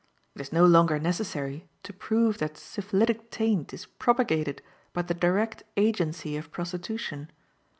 It is no longer necessary to prove that syphilitic taint is propagated by the direct agency of prostitution.